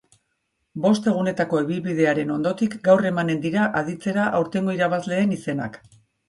Bost egunetako ibilbidearen ondotik, gaur emanen dira aditzera aurtengo irabazleen izenak.